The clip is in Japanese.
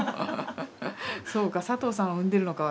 そうか佐藤さんを産んでるのか